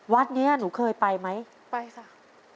วัดเนี้ยหนูเคยไปไหมไปค่ะ